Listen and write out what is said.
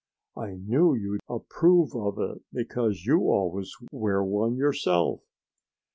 I knew you'd approve of it, because you always wear one yourself."